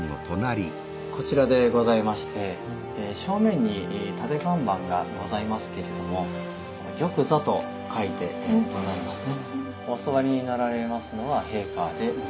こちらでございまして正面に立て看板がございますけれども「玉座」と書いてございます。